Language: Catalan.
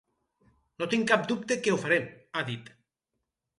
No tinc cap dubte que ho farem, ha dit.